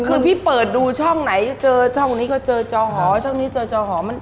คือพี่เปิดดูช่องไหนเจอช่องนี้ก็เจอจอหอช่องนี้เจอจอหอมัน